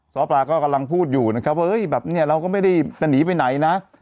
ซ้อปลาก็กำลังพูดอยู่นะครับว่าเฮ้ยแบบนี้เราก็ไม่ได้จะหนีไปไหนนะ